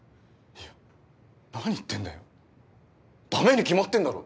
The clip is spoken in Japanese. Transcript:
いや何言ってんだよだめに決まってんだろ！